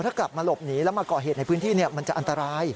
ถ้ากลับมาหลบหนีแล้วมาก่อเหตุในพื้นที่มันจะอันตราย